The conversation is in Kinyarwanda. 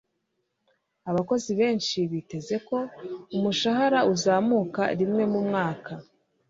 Abakozi benshi biteze ko umushahara uzamuka rimwe mu mwaka.